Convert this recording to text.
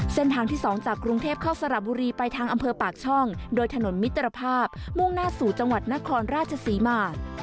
เส้นทางที่๒จากกรุงเทพเข้าสระบุรีไปทางอำเภอปากช่องโดยถนนมิตรภาพมุ่งหน้าสู่จังหวัดนครราชศรีมา